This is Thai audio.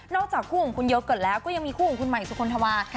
จากคู่ของคุณเยอะเกิดแล้วก็ยังมีคู่ของคุณใหม่สุคลธวา